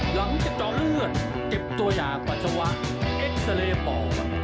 หลังเจ็บต่อเลือดเก็บตัวอย่างปัจจัวเอ็กซ์เซเรย์ปอบ